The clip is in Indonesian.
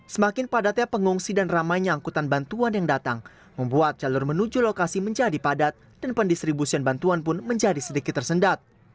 semakin padatnya pengungsi dan ramainya angkutan bantuan yang datang membuat jalur menuju lokasi menjadi padat dan pendistribusian bantuan pun menjadi sedikit tersendat